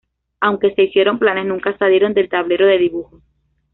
Aunque se hicieron planes, nunca salieron del tablero de dibujo.